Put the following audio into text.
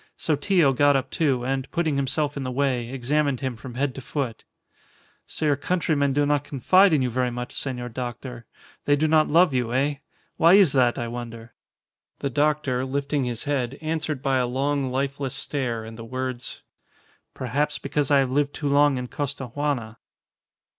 Sotillo got up, too, and, putting himself in the way, examined him from head to foot. "So your countrymen do not confide in you very much, senor doctor. They do not love you, eh? Why is that, I wonder?" The doctor, lifting his head, answered by a long, lifeless stare and the words, "Perhaps because I have lived too long in Costaguana."